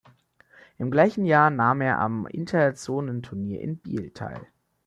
Im gleichen Jahr nahm er am Interzonenturnier in Biel teil.